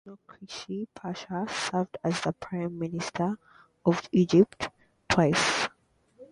Nokrashy Pasha served as the prime minister of Egypt twice.